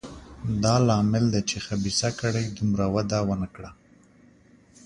دا لامل دی چې خبیثه کړۍ دومره وده ونه کړه.